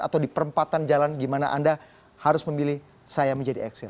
atau di perempatan jalan gimana anda harus memilih saya menjadi eksil